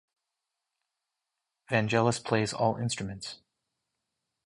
Vangelis plays all instruments.